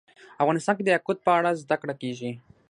افغانستان کې د یاقوت په اړه زده کړه کېږي.